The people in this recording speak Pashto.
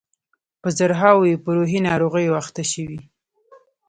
په زرهاوو یې په روحي ناروغیو اخته شوي.